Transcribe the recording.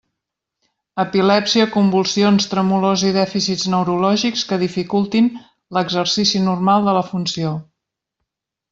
Epilèpsia, convulsions, tremolors i dèficits neurològics que dificultin l'exercici normal de la funció.